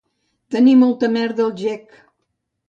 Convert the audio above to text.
Tenir molta merda al gec.